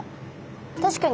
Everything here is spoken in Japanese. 確かに。